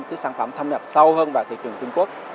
cái sản phẩm thâm nhập sâu hơn vào thị trường trung quốc